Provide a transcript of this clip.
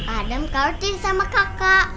adam kau jadi sama kakak